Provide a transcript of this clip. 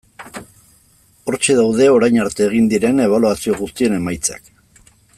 Hortxe daude orain arte egin diren ebaluazio guztien emaitzak.